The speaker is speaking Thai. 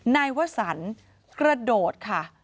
นายวสันกระโดดค่ะ